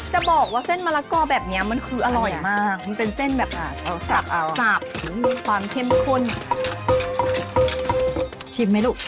จะบอกว่าเส้นมะละกอแบบนี้มันคืออร่อยมากมันเป็นเส้นแบบสับมีความเข้มข้นชิมไหมลูก